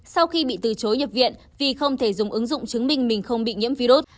sau khi bị từ chối nhập viện vì không thể dùng ứng dụng chứng minh mình không bị nhiễm virus